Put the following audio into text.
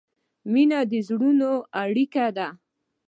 مینه د زړونو اړیکه ده.